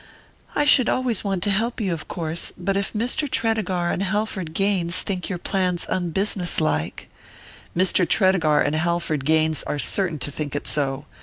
"I should always want to help you, of course; but if Mr. Tredegar and Halford Gaines think your plan unbusinesslike " "Mr. Tredegar and Halford Gaines are certain to think it so.